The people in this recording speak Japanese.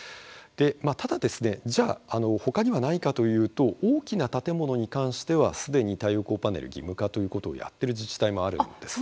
ただ、じゃあ他にはないかというと、大きな建物に関してはすでに太陽光パネル義務化ということをやっている自治体もあるんです。